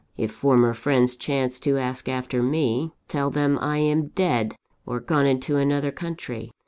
If former friends chance to ask after me, tell them I am dead, or gone into another country.